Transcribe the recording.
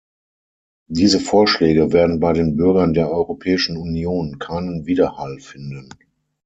Diese Vorschläge werden bei den Bürgern der Europäischen Union keinen Widerhall finden.